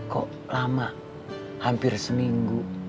kok lama hampir seminggu